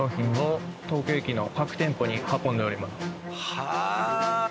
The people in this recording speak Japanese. はあ！